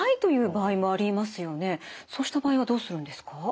そうした場合はどうするんですか？